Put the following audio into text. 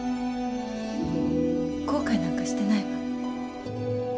後悔なんかしてないわ。